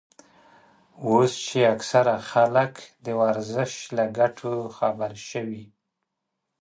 اوس چې اکثره خلک د ورزش له ګټو خبر شوي.